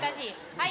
はい。